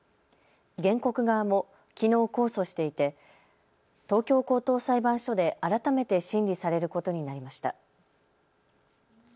原告側もきのう、控訴していて東京高等裁判所で改めて審理されることになりました。